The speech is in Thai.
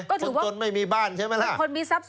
คนจนไม่มีบ้านใช่ไหมละ